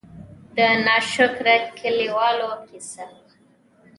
د نا شکره کلي والو قيصه :